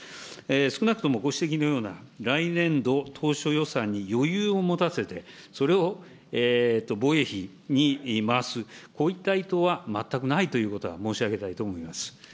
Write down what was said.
少なくともご指摘のような、来年度当初予算に余裕を持たせて、それを防衛費に回す、こういった意図は全くないという意図は申し上げたいと思います。